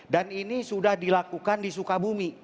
dan ini sudah dilakukan di sukabumi